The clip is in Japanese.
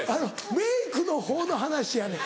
メークのほうの話やねん